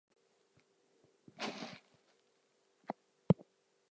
Before taking up snooker professionally he was an office clerk.